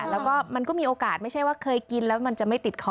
แล้วก็มันก็มีโอกาสไม่ใช่ว่าเคยกินแล้วมันจะไม่ติดคอ